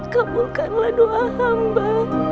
kaburkanlah doa hamba